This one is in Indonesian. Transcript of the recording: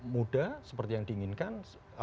mudah seperti yang diinginkan